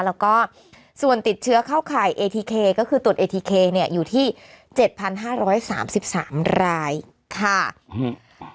แล้วก็ส่วนติดเชื้อเข้าข่ายเอทีเคก็คือตรวจเอทีเคเนี่ยอยู่ที่เจ็ดพันห้าร้อยสามสิบสามรายค่ะอืม